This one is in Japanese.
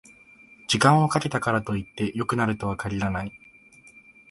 時間をかけたからといって良くなるとは限らない